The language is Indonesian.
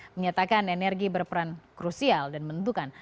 menyatakan energi berperan krusial dan menentukan